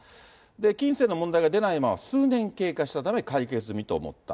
金銭の問題が出ないまま数年経過したため、解決済みと思った。